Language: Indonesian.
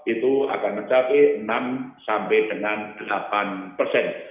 itu akan mencapai enam sampai dengan delapan persen